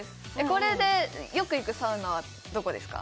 これでよく行くサウナはどこですか？